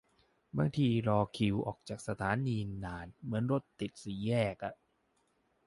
บางทีรอคิวออกจากสถานีนานเหมือนรถติดสี่แยกอะ